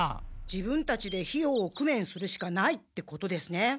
自分たちで費用をくめんするしかないってことですね。